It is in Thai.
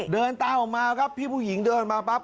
เดินตามออกมาครับพี่ผู้หญิงเดินออกมาปั๊บ